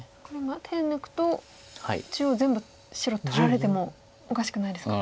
手抜くと中央全部白取られてもおかしくないですか。